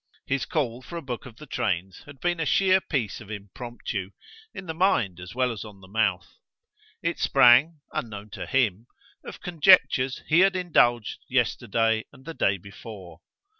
His call for a book of the trains had been a sheer piece of impromptu, in the mind as well as on the mouth. It sprang, unknown to him, of conjectures he had indulged yesterday and the day before.